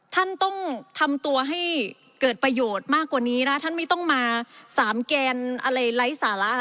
ท่านต้องทำตัวให้เกิดประโยชน์มากกว่านี้นะคะท่านไม่ต้องมาสามแกนอะไรไร้สาระ